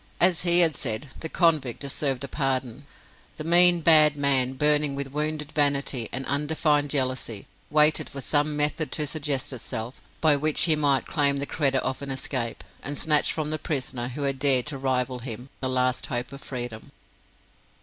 As he had said, the convict deserved a pardon. The mean, bad man, burning with wounded vanity and undefined jealousy, waited for some method to suggest itself, by which he might claim the credit of the escape, and snatch from the prisoner, who had dared to rival him, the last hope of freedom.